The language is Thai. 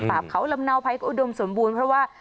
ปราบเขาลำเนาไพกอุดมสมบูรณ์เพราะว่า